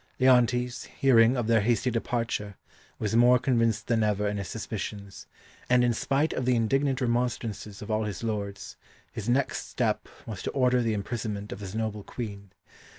Leontes, hearing of their hasty departure, was more convinced than ever in his suspicions, and in spite of the indignant remonstrances of all his lords, his next step was to order the imprisonment of his noble Queen.